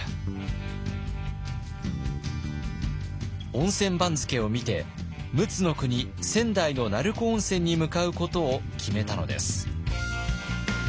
温泉番付を見て陸奥国仙台の成子温泉に向かうことを決めたのです。